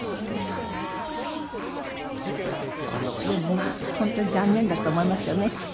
でもまあ本当に残念だと思いますよね。